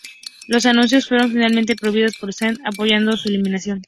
Los anuncios fueron finalmente prohibidos, con Sadiq Khan apoyando su eliminación.